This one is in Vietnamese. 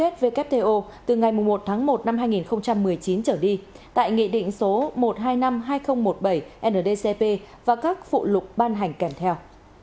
wto từ ngày một tháng một năm hai nghìn một mươi chín trở đi tại nghị định số một trăm hai mươi năm hai nghìn một mươi bảy ndcp và các phụ lục ban hành kèm theo